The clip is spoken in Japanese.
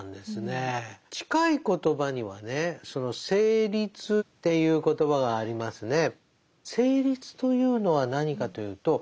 近い言葉にはね「成立」っていう言葉がありますね。